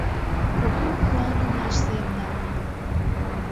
Кугу куанымаш саемда.